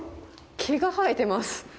毛が生えてます。